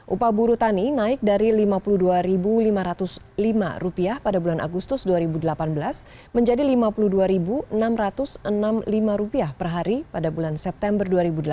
upah buruh tani naik dari rp lima puluh dua lima ratus lima pada bulan agustus dua ribu delapan belas menjadi rp lima puluh dua enam ratus enam puluh lima per hari pada bulan september dua ribu delapan belas